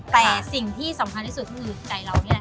แต่สิ่งที่สำคัญที่สุดก็คือใจเรานี่แหละ